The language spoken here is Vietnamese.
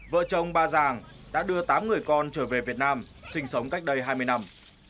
vợ chồng ba giàng đã đưa tám người con trở về việt nam sinh sống cách đây hai mươi năm